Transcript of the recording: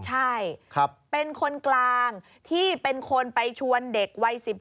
ใช่เป็นคนกลางที่เป็นคนไปชวนเด็กวัย๑๔